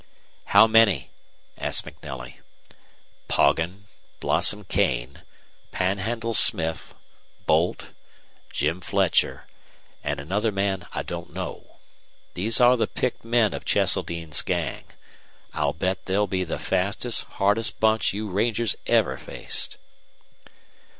"How many?" asked MacNelly. "Poggin, Blossom Kane, Panhandle Smith, Boldt, Jim Fletcher, and another man I don't know. These are the picked men of Cheseldine's gang. I'll bet they'll be the fastest, hardest bunch you rangers ever faced."